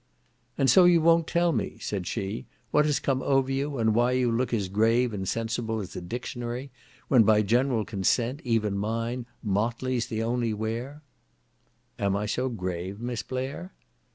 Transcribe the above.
"And so you wo'nt tell me," said she, "what has come over you, and why you look as grave and sensible as a Dictionary, when, by general consent, even mine, 'motley's the only wear?'" '"Am I so grave, Miss Blair?"